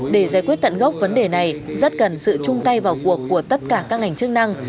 để giải quyết tận gốc vấn đề này rất cần sự chung tay vào cuộc của tất cả các ngành chức năng